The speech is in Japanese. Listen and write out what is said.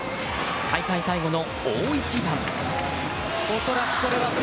大会最後の大一番。